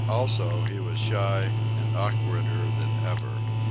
Also, he was shy, and awkwarder than ever.